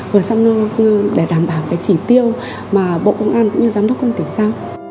và xăm nô để đảm bảo cái chỉ tiêu mà bộ công an cũng như giám đốc công tỉnh ra